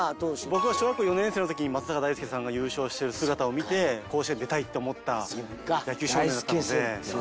僕が小学校４年生の時に松坂大輔さんが優勝してる姿を見て甲子園出たいって思った野球少年だったので。